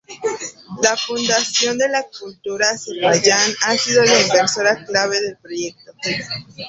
La Fundación de la Cultura de Azerbaiyán ha sido la inversora clave del proyecto.